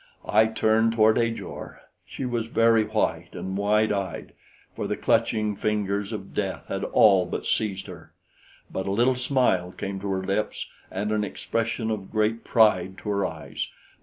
I turned toward Ajor. She was very white and wide eyed, for the clutching fingers of death had all but seized her; but a little smile came to her lips and an expression of great pride to her eyes.